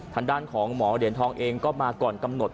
ทางด้านของหมอเหรียญทองเองก็มาก่อนกำหนด